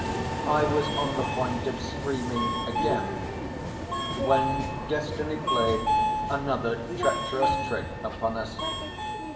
I was on the point of screaming again when destiny played another treacherous trick upon us.